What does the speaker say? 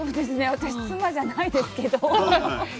私、妻じゃないですけど。